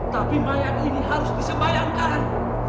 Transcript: tapi mayat ini harus disebayarkan